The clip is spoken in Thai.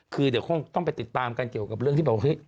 คือเดี๋ยวคงต้องไปติดตามกันเกี่ยวกับเรื่องที่แบบเฮ้ย